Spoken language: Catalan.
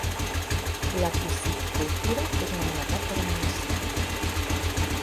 La piscicultura és una novetat per al municipi.